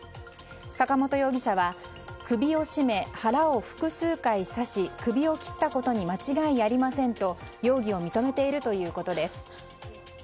坂本容疑者は首を絞め腹を複数回刺し首を切ったことに間違いありませんと容疑を認めているということです。